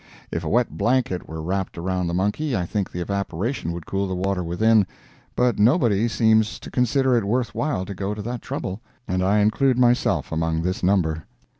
If a wet blanket were wrapped around the monkey, I think the evaporation would cool the water within, but nobody seems to consider it worthwhile to go to that trouble, and I include myself among this number.